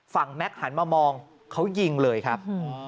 แม็กซ์หันมามองเขายิงเลยครับ